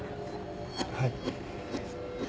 はい。